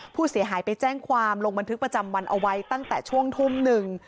ผู้เสียหายไปแจ้งความลงบันทึกประจำวันเอาไว้ตั้งแต่ช่วงทุ่มหนึ่ง